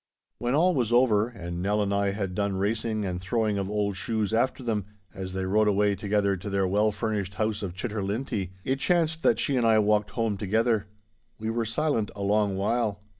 When all was over, and Nell and I had done racing and throwing of old shoes after them, as they rode away together to their well furnished house of Chitterlintie, it chanced that she and I walked home together. We were silent a long while.